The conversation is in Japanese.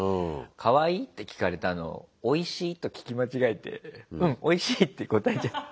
「かわいい？」って聞かれたのを「おいしい？」と聞き間違えて「うんおいしい」って答えちゃった。